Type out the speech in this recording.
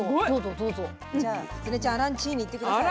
じゃあ初音ちゃんアランチーニいって下さい。